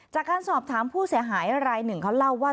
จากการสอบถามผู้เสียหายลาย๑เค้าเล่าว่า